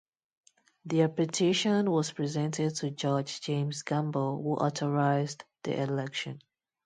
Their petition was presented to Judge James Gamble who authorized the election.